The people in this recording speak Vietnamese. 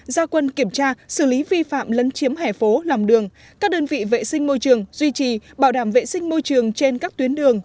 gia quân kiểm tra xử lý vi phạm lấn chiếm hẻ phố làm đường các đơn vị vệ sinh môi trường duy trì bảo đảm vệ sinh môi trường trên các tuyến đường